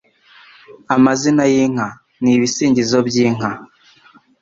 Amazina y'inka: Ni ibisingizo by'inka